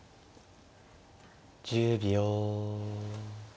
１０秒。